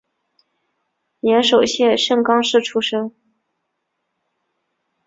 岩手县盛冈市出身。